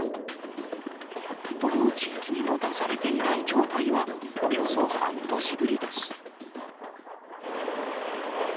どの地域にも出されていない状態は、およそ半年ぶりです。